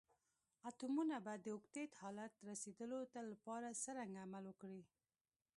اتومونه به د اوکتیت حالت ته رسیدول لپاره څرنګه عمل وکړي؟